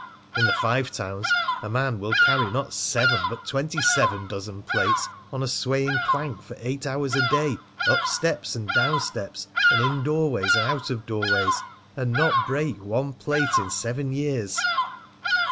In the Five Towns a man will carry not seven but twenty seven dozen plates on a swaying plank for eight hours a day, up steps and down steps, and in doorways and out of doorways, and not break one plate in seven years!